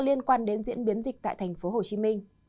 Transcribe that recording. liên quan đến diễn biến dịch tại tp hcm